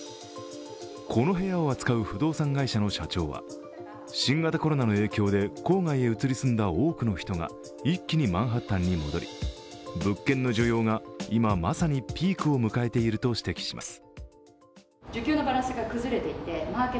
この部屋を扱う不動産会社の社長は、新型コロナの影響で郊外へ移り住んだ多くの人が一気にマンハッタンに戻り、物件の需要が今まさにピークを迎えていると指摘します。